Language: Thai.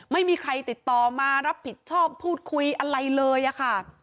ไม่มีใครติดต่อมารับผิดชอบพูดคุยอะไรเลยอะค่ะ